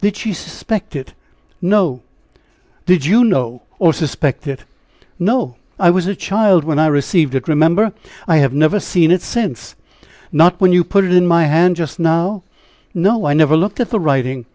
"Did she suspect it?" "No!" "Did you know or suspect it?" "No! I was a child when I received it, remember. I have never seen it since." "Not when you put it in my hand, just now?" "No, I never looked at the writing?"